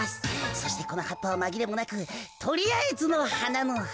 そしてこのはっぱはまぎれもなくとりあえずのはなのは。